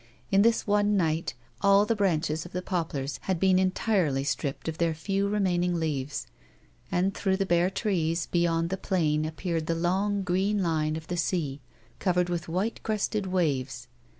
In this one night all the branches of the poplars had been entirely stripped of their few remaining leaves, and, through the bare trees, beyond the plain ap A AVOMAN'S LIFE. 81 peared the long, green line of the sea, covered with white crested waves.